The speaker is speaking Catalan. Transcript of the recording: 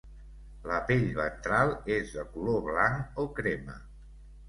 La pell ventral és de color blanc o crema.